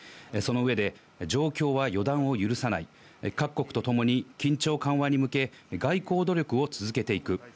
その上で状況は予断を許さない各国とともに緊張緩和に向け、外交努力を続けていく。